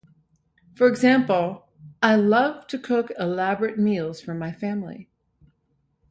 For example, "I love to cook elaborate meals for my family."